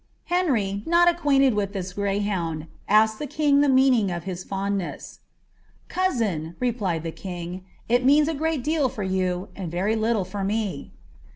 Henry, noi acquainted with this grcc huund, asked the king die meaning of his fondness. *■■ Cou»in,' replied ttie king, ■' it means a great deal for yoa, and nrf litile f'>r nie.>